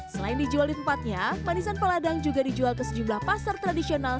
selain dijual di tempatnya manisan peladang juga dijual ke sejumlah pasar tradisional